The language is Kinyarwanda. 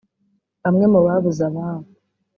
Bamwe mu babuze ababo